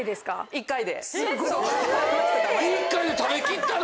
１回で食べきったの？